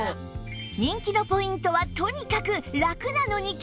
人気のポイントはとにかくラクなのにキレイ